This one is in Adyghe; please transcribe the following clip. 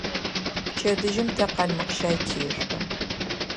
Пчэдыжьым тэ къалмыкъщай тешъо.